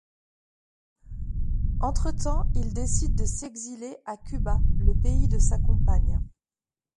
Entretemps, il décide de s'exiler à Cuba, le pays de sa compagne.